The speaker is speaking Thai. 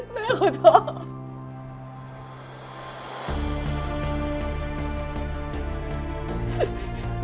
แม่ขอโทษ